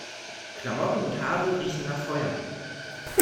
Klamotten und Haare riechen nach Feuer.